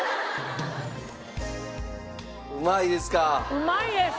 うまいですか？